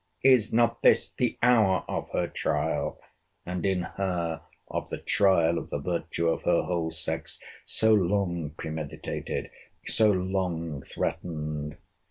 Is not this the hour of her trial—and in her, of the trial of the virtue of her whole sex, so long premeditated, so long threatened?